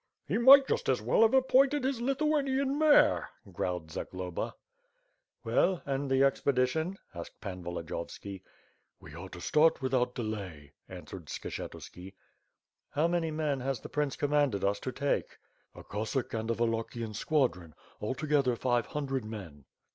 "He might just as well have appointed his Lithuanian mare." growled Zagloba. "Well, and the expedition?" asked Pan Volodiyovski. "We are to start without delay," answered Skshetuski. "How many men has the prince commanded us to take?" "A Cossack and a Wallachian squadron, altogether five hundred men."